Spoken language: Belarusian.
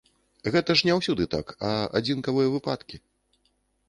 Гэта ж не ўсюды так, а адзінкавыя выпадкі.